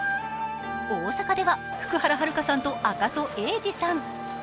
大阪では福原遥さんと赤楚衛二さん。